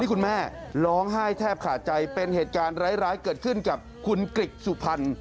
คุณแม่ร้องไห้แทบขาดใจเป็นเหตุการณ์ร้ายเกิดขึ้นกับคุณกริกสุพรรณ